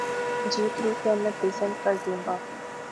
جی ٹھیک ہے میں پریزینٹ کردوں گا۔